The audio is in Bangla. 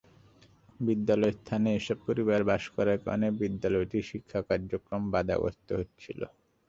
বিদ্যালয়ের স্থানে এসব পরিবার বাস করার কারণে বিদ্যালয়টির শিক্ষা কার্যক্রম বাধাগ্রস্ত হচ্ছিল।